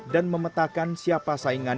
dan memetakan siapa saingan